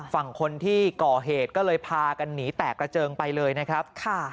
ฝั่งคนที่ก่อเหตุก็เลยพากันหนีแตกกระเจิงไปเลยนะครับ